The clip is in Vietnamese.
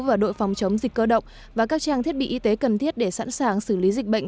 và đội phòng chống dịch cơ động và các trang thiết bị y tế cần thiết để sẵn sàng xử lý dịch bệnh